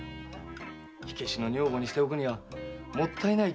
火消しの女房にしておくにはもったいない器量じゃのう。